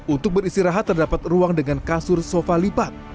untuk beristirahat terdapat ruang dengan kasur sofa lipat